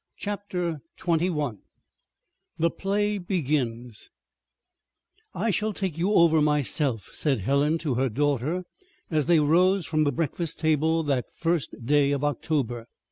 CHAPTER XXI THE PLAY BEGINS "I shall take you over, myself," said Helen to her daughter as they rose from the breakfast table that first day of October.